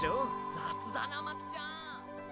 雑だな巻ちゃん！